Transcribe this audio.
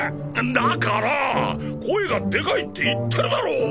だからァ声がでかいって言ってるだろ！